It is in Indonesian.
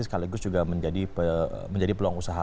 sekaligus juga menjadi peluang usaha